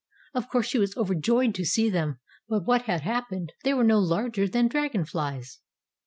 Of course she was overjoyed to see them. But what had happened? They were no larger than dragon flies.